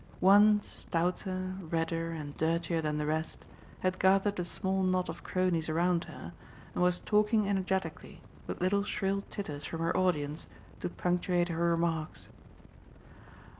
One stouter, redder, and dirtier than the rest, had gathered a small knot of cronies around her and was talking energetically, with little shrill titters from her audience to punctuate her remarks.